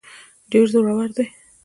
ډېر زورور دی.